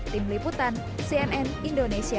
tim liputan cnn indonesia